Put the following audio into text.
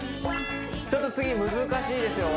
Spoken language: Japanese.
ちょっと次難しいですよ